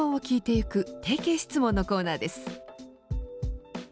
定型質問のコーナーです。